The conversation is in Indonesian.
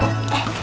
terima kasih ya